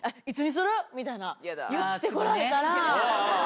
みたいな言ってこられたら。